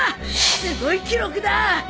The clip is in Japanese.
すごい記録だ